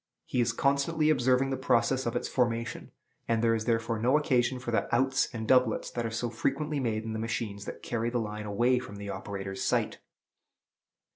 He is constantly observing the process of its formation; and there is therefore no occasion for the "outs" and "doublets" that are so frequently made in the machines that carry the line away from the operator's sight.